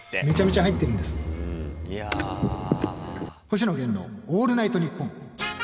「星野源のオールナイトニッポン」。